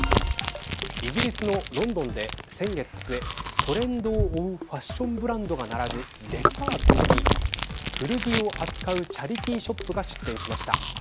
イギリスのロンドンで先月末トレンドを追うファッションブランドが並ぶデパートに古着を扱うチャリティーショップが出店しました。